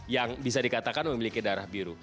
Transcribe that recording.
yang bisa dikatakan memiliki darah biru